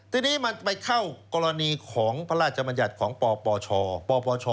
ทีนี้มันไปเข้ากรณีของพระราชจำนวนญัติของปปช